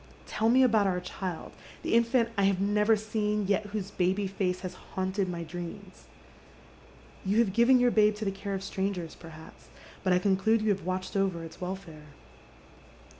Tell me about our child, the infant I have never seen, yet whose baby face has haunted my dreams. You have given your babe to the care of strangers, perhaps, but I conclude you have watched over its welfare.